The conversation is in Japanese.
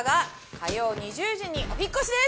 火曜２０時にお引っ越しです。